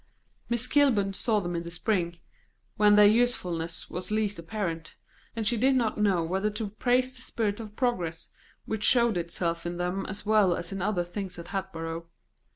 Miss Kilburn saw them in the spring, when their usefulness was least apparent, and she did not know whether to praise the spirit of progress which showed itself in them as well as in other things at Hatboro'.